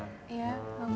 ya selamat malam